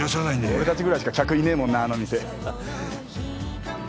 俺たちぐらいしか客いねえもんなあの店。